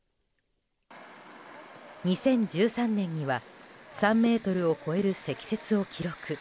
２０１３年には３ｍを超える積雪を記録。